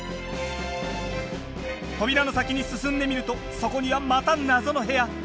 扉の先に進んでみるとそこにはまた謎の部屋。